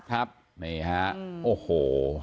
ครับนี่ฮะโอ้โห